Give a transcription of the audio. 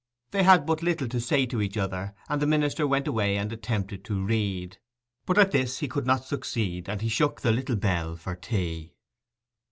They had but little to say to each other; and the minister went away and attempted to read; but at this he could not succeed, and he shook the little bell for tea.